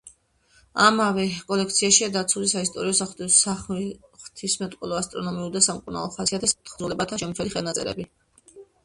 ამავე კოლექციაშია დაცული საისტორიო, საღვთისმეტყველო, ასტრონომიული და სამკურნალო ხასიათის თხზულებათა შემცველი ხელნაწერები.